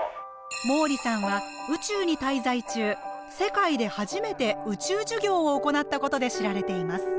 毛利さんは宇宙に滞在中世界で初めて「宇宙授業」を行ったことで知られています。